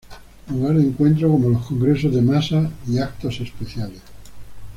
Lugar de encuentros como los congresos de masas y eventos especiales.